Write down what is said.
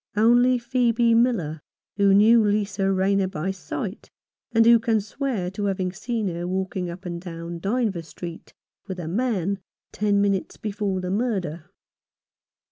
Only Phcebe Miller, who knew Lisa Rayner by sight, and who can swear to having seen her walking up and down Dynevor Street with a man ten minutes before the murder.